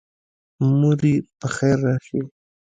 موري پخیر راشي